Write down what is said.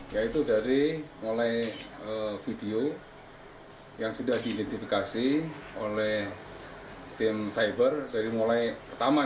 yaitu dari mulai video yang sudah diidentifikasi oleh tim cyber dari mulai pertama